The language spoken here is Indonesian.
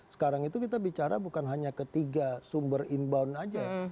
sekarang itu kita bicara bukan hanya ke tiga sumber inbound saja